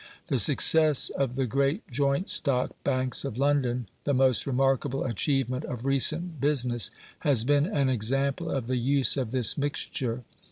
The success of the great joint stock banks of London the most remarkable achievement of recent business has been an example of the use of this mixture.